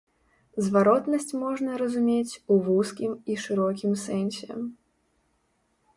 Зваротнасць можна разумець у вузкім і шырокім сэнсе.